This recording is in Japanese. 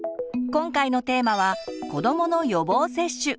今回のテーマは「子どもの予防接種」。